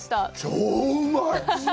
超うまい！